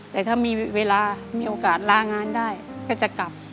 แต่ถ้ามีเวลามีโอกาสลางานได้ก็จะกลับ